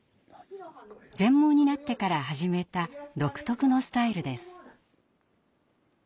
全盲になってから始めた独特のスタイルです。